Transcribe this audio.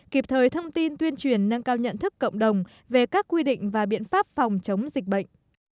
kịp thời thông tin tuyên truyền nâng cao nhận thức cộng đồng về các quy định và biện pháp phòng chống dịch bệnh